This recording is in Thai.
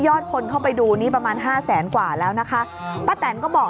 คนเข้าไปดูนี่ประมาณห้าแสนกว่าแล้วนะคะป้าแตนก็บอก